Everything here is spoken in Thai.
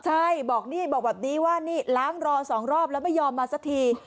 ใช่บอกแบบนี้ว่าล้างรอสองรอบแล้วไม่ยอมมาสักที